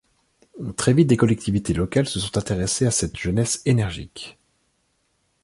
Très vite des collectivités locales se sont intéressées à cette jeunesse énergique.